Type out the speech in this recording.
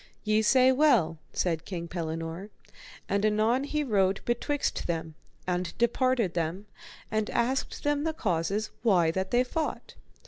Ye say well, said King Pellinore. And anon he rode betwixt them, and departed them, and asked them the causes why that they fought?